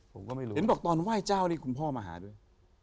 ผมก็ไม่รู้เห็นบอกตอนไหว้เจ้านี่คุณพ่อมาหาด้วย